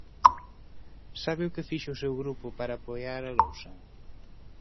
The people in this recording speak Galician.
¿Sabe o que fixo o seu grupo para apoiar a lousa?